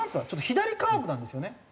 ちょっと左カーブなんですよね。